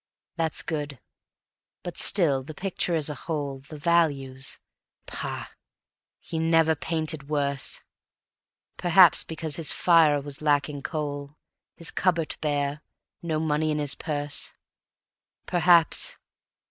That's good; but still, the picture as a whole, The values, Pah! He never painted worse; Perhaps because his fire was lacking coal, His cupboard bare, no money in his purse. Perhaps